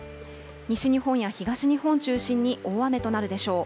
西日本や東日本を中心に大雨となるでしょう。